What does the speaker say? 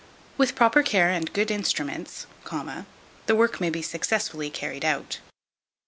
With proper care and good instruments, the work may be successfully carried out.